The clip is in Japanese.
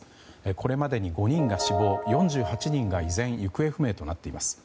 これまでに５人が死亡、４８人が依然、行方不明となっています。